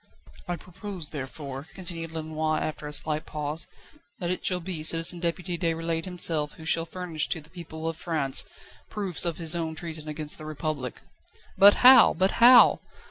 "I propose, therefore," continued Lenoir after a slight pause, "that it shall be Citizen Deputy Déroulède himself who shall furnish to the people of France proofs of his own treason against the Republic." "But how? But how?"